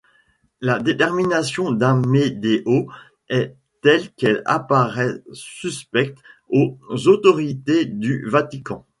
La détermination d’Amedeo est telle qu’elle apparaît suspecte aux autorités du Vatican.